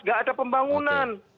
nggak ada pembangunan